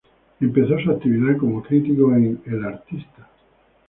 Empezó su actividad como crítico en "El Artista".